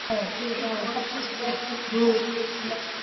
You smell terrible.